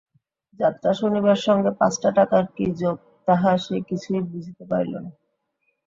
যাত্রা শুনিবার সঙ্গে পাঁচটা টাকার কী যোগ তাহা সে কিছুই বুঝিতে পারিল না।